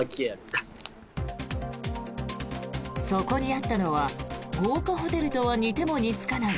そこにあったのは豪華ホテルとは似ても似つかない